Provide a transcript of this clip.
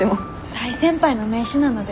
大先輩の名刺なので。